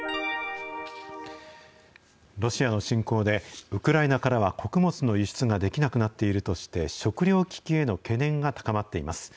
ロシアの侵攻で、ウクライナからは穀物の輸出ができなくなっているとして、食糧危機への懸念が高まっています。